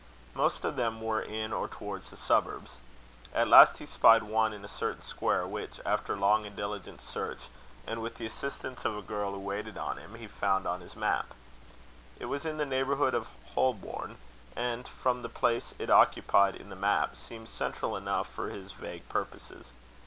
Most of them were in or towards the suburbs. At last he spied one in a certain square, which, after long and diligent search, and with the assistance of the girl who waited on him, he found on his map. It was in the neighbourhood of Holborn, and, from the place it occupied in the map, seemed central enough for his vague purposes.